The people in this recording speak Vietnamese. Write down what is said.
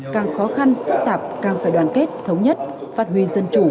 càng khó khăn phức tạp càng phải đoàn kết thống nhất phát huy dân chủ